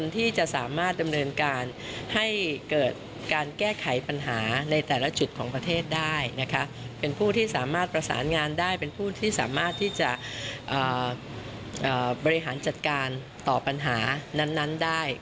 ที่จะบริหารจัดการต่อปัญหานั้นได้